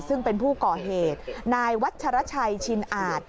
ซึ่งเป็นผู้ก่อเหตุนายวัชรชัยชินอาจ